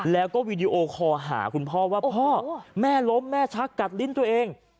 แล้วก็วีดีโอคอหาคุณพ่อว่าพ่อแม่ล้มแม่ชักกัดลิ้นตัวเอง